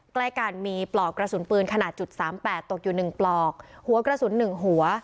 ใกล้การมีปลอกกระสุนปืนขนาด๓๘ตกอยู่๑ปลอกหัวกระสุน๑หัว